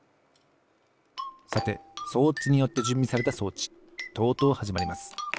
さて装置によってじゅんびされた装置とうとうはじまります。